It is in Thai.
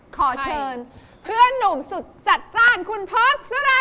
ขอเชิญเพื่อนหนุ่มสุดจัดจ้านคุณพลกสรรคค่ะ